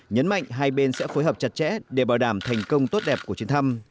nhấn mạnh hai bên sẽ phối hợp chặt chẽ để bảo đảm thành công tốt đẹp của chuyến thăm